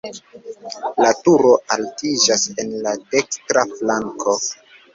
La turo altiĝas en la dekstra flanko.